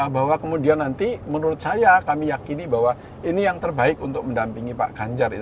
bahwa kemudian nanti menurut saya kami yakini bahwa ini yang terbaik untuk mendampingi pak ganjar ya